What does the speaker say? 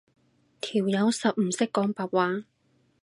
條友實唔識講白話